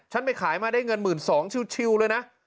ไปขายมาได้เงิน๑๒๐๐ชิวเลยนะ